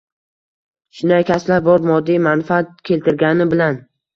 Shunday kasblar bor, moddiy manfaat keltirgani bilan